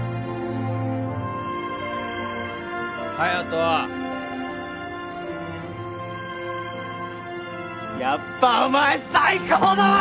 隼人やっぱお前最高だわ！